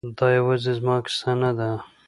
دا یوازې زما کیسه نه ده